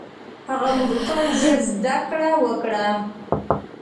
هغه موږکان ژر زده کړه وکړه.